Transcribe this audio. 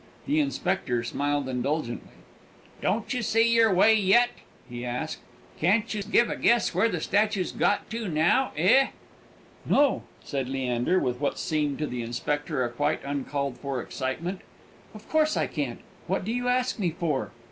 The inspector smiled indulgently. "Don't you see your way yet?" he asked. "Can't you give a guess where that statue's got to now, eh?" "No," said Leander, with what seemed to the inspector a quite uncalled for excitement, "of course I can't! What do you ask me for?